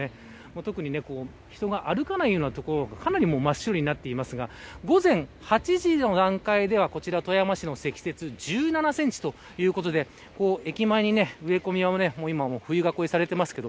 特に人が歩かないような所がかなり真っ白になっていますが午前８時の段階ではこちら富山市の積雪１７センチということで駅前にある植え込みも冬囲いがされてますけど。